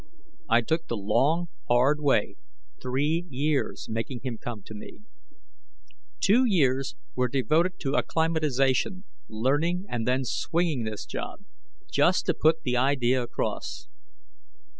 I took the long, hard way three years making him come to me. Two years were devoted to acclimatization, learning, and then swinging this job: just to put the idea across.